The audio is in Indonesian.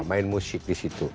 main musik di situ